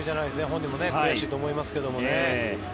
本人も悔しいと思いますけど。